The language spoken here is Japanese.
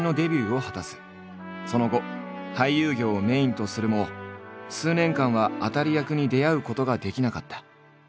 その後俳優業をメインとするも数年間は当たり役に出会うことができなかった。